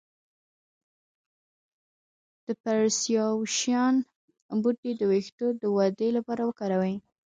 د پرسیاوشان بوټی د ویښتو د ودې لپاره وکاروئ